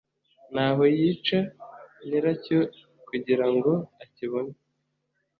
n aho yica nyiracyo kugira ngo akibone